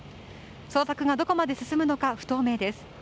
捜索がどこまで進むのか不透明です。